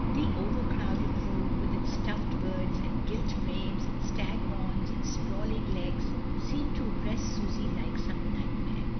The over crowded room, with its stuffed birds and gilt frames and stag horns and sprawling legs, seemed to oppress Susy like some nightmare.